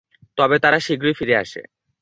তবে তারা শীঘ্রই ফিরে আসে।